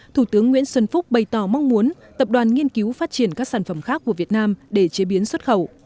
thủ tướng nguyễn xuân phúc bày tỏ mong muốn tập đoàn nghiên cứu phát triển các sản phẩm khác của việt nam để chế biến xuất khẩu